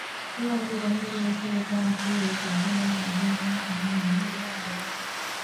这样做的目的是将基于组件的软件工程引入万维网。